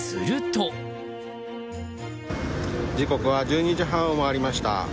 時刻は１２時半を回りました。